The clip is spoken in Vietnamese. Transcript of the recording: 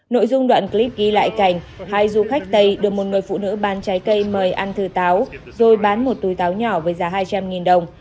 nội dung đoạn clip ghi lại cảnh hai du khách tây được một người phụ nữ bán trái cây mời ăn thừa táo rồi bán một túi táo nhỏ với giá hai trăm linh đồng